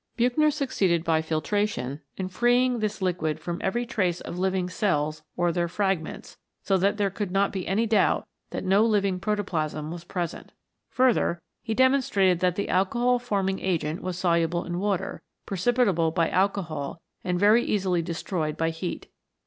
Buchner succeeded by nitration in freeing this liquid from every trace of living cells or their fragments, so that there could not be any doubt that no living protoplasm was present. Further, he demonstrated that the alcohol forming agent was soluble in water, precipitable by alcohol, and very easily destroyed by heat.